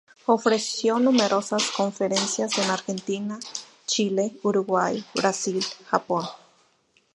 Ofreció numerosas conferencias en Argentina, Chile, Uruguay, Brasil, Japón.